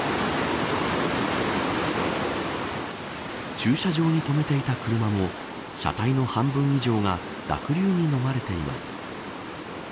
駐車場に止めていた車も車体の半分以上が濁流にのまれています。